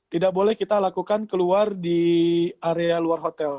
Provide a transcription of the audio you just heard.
tidak boleh kita lakukan keluar di area luar hotel